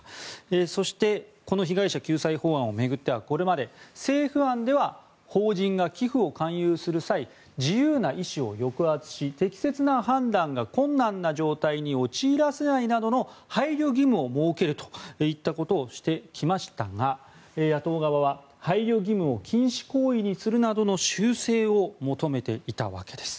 そしてこの被害者救済法案を巡ってはこれまで政府案では法人が寄付を勧誘する際自由な意思を抑圧し適切な判断が困難な状態に陥らせないなどの配慮義務を設けるといったことをしてきましたが野党側は配慮義務を禁止行為にするなどの修正を求めていたわけです。